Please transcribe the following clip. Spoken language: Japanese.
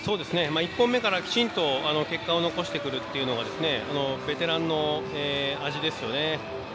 １本目から、きちんと結果を残してくるっていうのがベテランの味ですよね。